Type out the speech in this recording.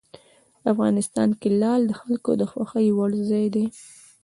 افغانستان کې لعل د خلکو د خوښې وړ ځای دی.